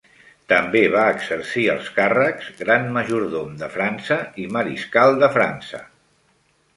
També va exercir els càrrecs Gran majordom de França i Mariscal de França.